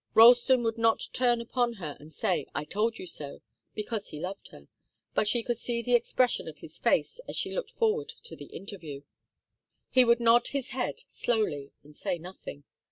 Ralston would not turn upon her and say, 'I told you so,' because he loved her, but she could see the expression of his face as she looked forward to the interview. He would nod his head slowly and say nothing.